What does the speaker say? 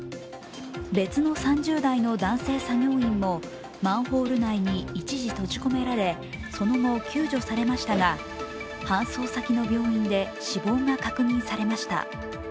別の３０代の男性作業員もマンホール内に一時閉じ込められその後、救助されましたが搬送先の病院で死亡が確認されました。